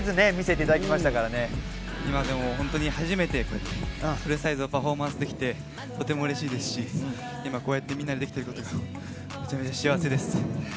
今でも本当に初めて、フルサイズのパフォーマンスができて、とても嬉しいですし、こうやってみんなでできていることがめちゃめちゃ幸せです。